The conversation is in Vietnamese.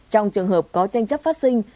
trong trường hợp có tranh chấp phát sinh